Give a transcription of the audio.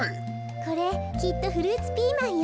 これきっとフルーツピーマンよ。